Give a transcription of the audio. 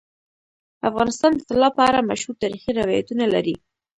افغانستان د طلا په اړه مشهور تاریخی روایتونه لري.